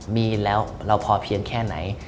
มีแล้วเราพอเพียงแค่ไหน